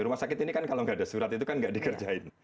rumah sakit ini kan kalau nggak ada surat itu kan nggak dikerjain